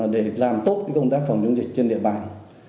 để làm tốt công tác phòng chống dịch trên địa bàn